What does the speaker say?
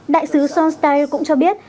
đại sứ sean steyer cũng cho biết